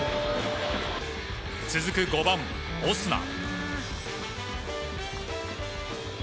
続く５番、オスナ。